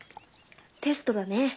テストだね。